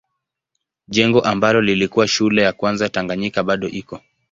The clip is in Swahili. Jengo ambalo lilikuwa shule ya kwanza Tanganyika bado iko.